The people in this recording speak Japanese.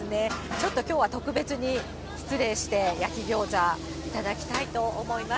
ちょっときょうは特別に失礼して、焼き餃子、頂きたいと思います。